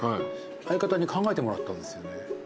相方に考えてもらったんですよね。